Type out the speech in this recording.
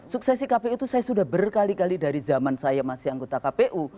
suksesi kpu itu saya sudah berkali kali dari zaman saya masih anggota kpu